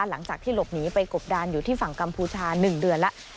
หลังจากที่หลบหนีไปกบดานอยู่ที่ฝั่งกัมพูชา๑เดือนแล้ว